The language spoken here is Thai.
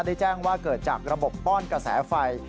แจ้งว่าเกิดจากระบบป้อนกระแสไฟ